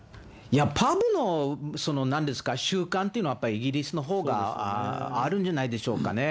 パブの習慣っていうのは、やっぱりイギリスのほうがあるんじゃないでしょうかね。